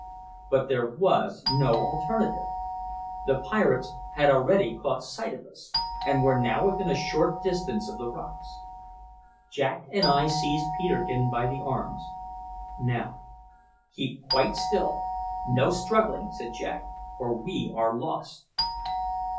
But there was no alternative. The pirates had already caught sight of us, and were now within a short distance of the rocks. Jack and I seized Peterkin by the arms. "Now, keep quite still no struggling," said Jack, "or we are lost!"